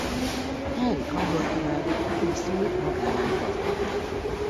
Henrik angol király túszul magánál tartotta.